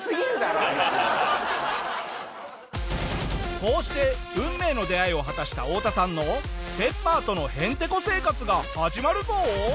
こうして運命の出会いを果たしたオオタさんのペッパーとのヘンテコ生活が始まるぞ。